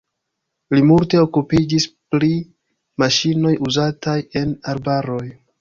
Li multe okupiĝis pri maŝinoj uzataj en arbaroj.